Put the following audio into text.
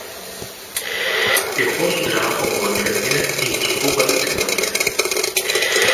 Dejó su trabajo como enfermera y buscó patrocinadores.